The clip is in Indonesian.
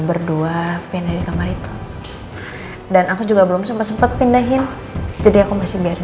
berdua pindah di kamar itu dan aku juga belum sempat sempat pindahin jadi aku masih biar